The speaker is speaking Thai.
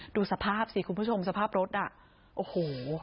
ดูสภาพสิคุณผู้ชมสภาพรถอ่ะโอ้โห